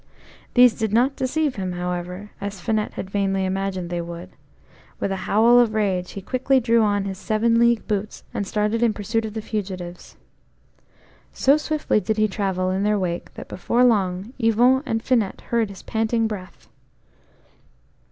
These did not deceive him, however, as Finette had vainly imagined they would; with a howl of rage, he quickly drew on his seven league boots, and started in pursuit of the fugitives. O swiftly did he travel in their wake that before long Yvon and Finette heard his panting breath.